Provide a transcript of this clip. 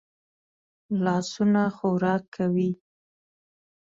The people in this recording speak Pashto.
لاسونه خوراک کوي